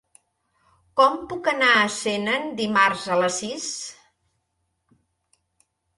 Com puc anar a Senan dimarts a les sis?